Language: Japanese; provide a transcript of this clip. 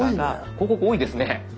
広告多いですね。